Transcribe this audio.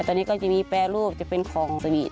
ตอนนี้ก็จะมีแปรรูปจะเป็นของสนิท